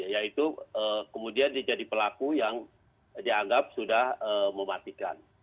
yaitu kemudian menjadi pelaku yang dianggap sudah mematikan